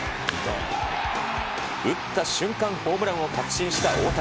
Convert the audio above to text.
打った瞬間、ホームランを確信した大谷。